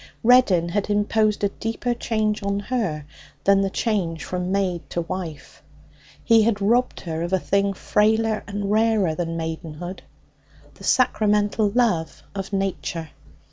Reddin had imposed a deeper change on her than the change from maid to wife. He had robbed her of a thing frailer and rarer than maidenhood the sacramental love of Nature.